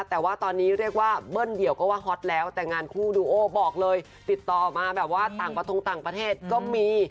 แต่ว่าตอนนี้เรียกว่าเบิ้ลเดี่ยวก็ว่าฮอตแล้วแต่งานคู่ดูโอบอกเลยติดต่อออกมาแบบว่าต่างประทงต่างประเทศก็มี